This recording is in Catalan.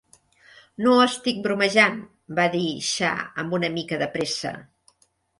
"No estic bromejant", va dir Shah, amb una mica de pressa.